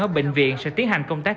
ở bệnh viện sẽ tiến hành công tác